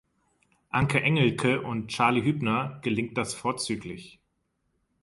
Anke Engelke und Charly Hübner gelingt das vorzüglich.